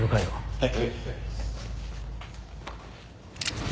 はい。